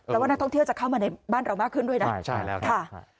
แต่ว่านักท่องเที่ยวจะเข้ามาในบ้านเรามากขึ้นด้วยนะใช่แล้วค่ะ